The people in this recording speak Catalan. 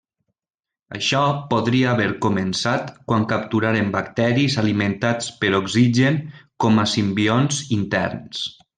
Això podria haver començat quan capturaren bacteris alimentats per oxigen com a simbionts interns.